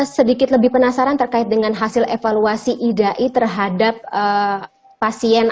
sedikit lebih penasaran terkait dengan hasil evaluasi idai terhadap pasien